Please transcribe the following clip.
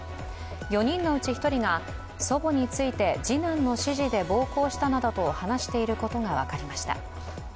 ４人のうち１人が、祖母について次男の指示で暴行したなどと話していることが分かりました。